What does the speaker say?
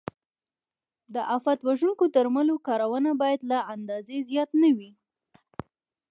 د آفت وژونکو درملو کارونه باید له اندازې زیات نه وي.